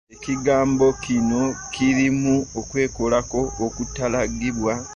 Ekigambo kino kirimu okwekolako okutaalagibwa.